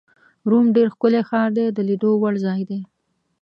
روم ډېر ښکلی ښار دی، د لیدو وړ ځای دی.